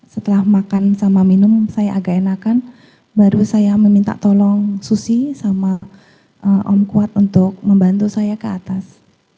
setelah makan sama minum saya agak enakan baru saya meminta tolong susi sama om kuat untuk membantu saya ke atas